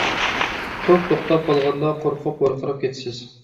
توك توختاپ قالغاندا قورقۇپ ۋارقىراپ كېتىسىز.